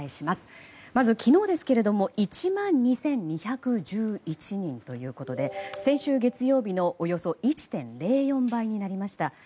まず昨日ですけれども１万２２１１人ということで先週月曜日のおよそ１．０４倍になりました。